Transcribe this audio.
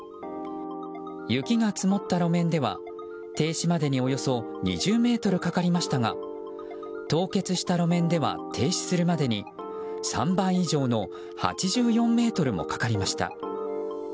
雪が積もった路面では停止までにおよそ２０ｍかかりましたが凍結した路面では停止するまでに３倍以上の８４ｍもかかりました。